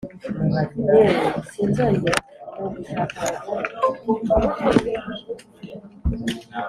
Yewe sinzongera nugushaka abagore